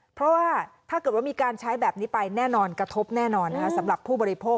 เพราะว่าถ้าเกิดว่ามีการใช้แบบนี้ไปแน่นอนกระทบแน่นอนสำหรับผู้บริโภค